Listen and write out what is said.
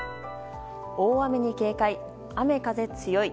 大雨に警戒、雨風強い。